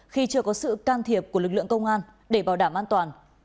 khi chưa có sự can thiệp của lực lượng công an để bảo đảm an toàn